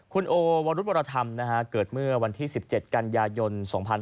คุณโอวรุธวรธรรมเกิดเมื่อวันที่๑๗กันยายน๒๕๕๙